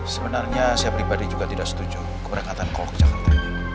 sebenarnya saya pribadi juga tidak setuju keberangkatan ke jakarta